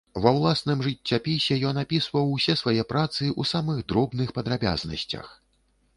Ва ўласным жыццяпісе ён апісваў усе свае працы ў самых дробных падрабязнасцях.